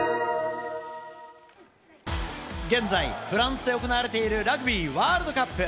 現在、フランスで行われているラグビーワールドカップ。